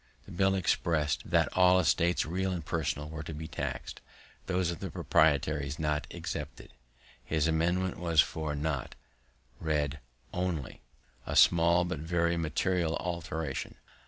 The bill express'd "that all estates, real and personal, were to be taxed, those of the proprietaries not excepted." His amendment was, for not read only: a small, but very material alteration.